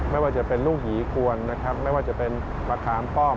ไม่ว่าจะเป็นลูกหีควรนะครับไม่ว่าจะเป็นมะคางป้อม